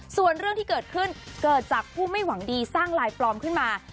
ส่วนเรื่องที่เกิดขึ้นเกิดจากผู้ไม่หวังดีสร้างลายปลอมขึ้นมา